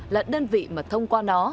là đơn vị mà thông qua nó